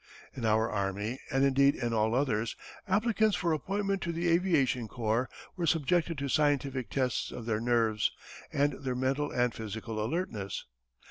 In our army, and indeed in all others, applicants for appointment to the aviation corps were subjected to scientific tests of their nerves, and their mental and physical alertness.